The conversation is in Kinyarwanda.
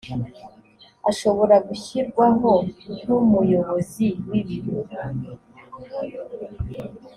ashobora gushyirwaho nk umuyobozi w ibiro